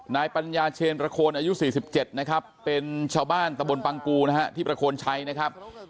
นายปัญญาเชนประโคนอายุ๔๗นะครับเป็นชาวบ้านตะบนปังกูนะฮะที่ประโคนชัยนะครับ